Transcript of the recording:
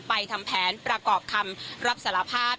ทำแผนประกอบคำรับสารภาพ